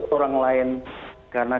ke orang lain karena